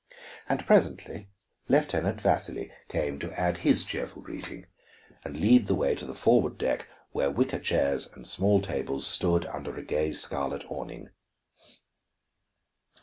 And presently Lieutenant Vasili came to add his cheerful greeting and lead the way to the forward deck, where wicker chairs and small tables stood under a gay scarlet awning.